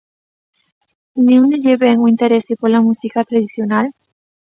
De onde lle vén o interese pola música tradicional?